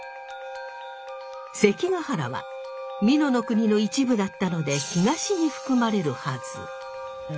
関ケ原は美濃国の一部だったので東に含まれるはず。